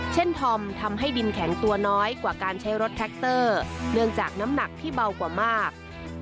ธอมทำให้ดินแข็งตัวน้อยกว่าการใช้รถแท็กเตอร์เนื่องจากน้ำหนักที่เบากว่ามาก